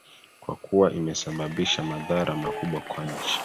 kwa kuwa imesababisha madhara makubwa kwa nchi